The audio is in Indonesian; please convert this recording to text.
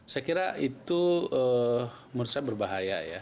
saya kira itu merasa berbahaya